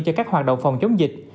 cho các hoạt động phòng chống dịch